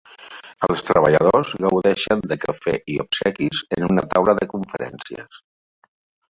Els treballadors gaudeixen de cafè i obsequis en una taula de conferències.